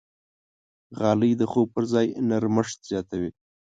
غالۍ د خوب پر ځای نرمښت زیاتوي.